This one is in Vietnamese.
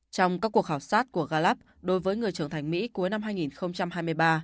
trong các cuộc khảo sát của galap đối với người trưởng thành mỹ cuối năm hai nghìn hai mươi ba